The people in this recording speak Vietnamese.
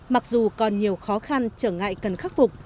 mặc dù còn nhiều khó khăn trở ngại cần khắc phục